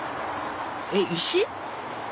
えっ石？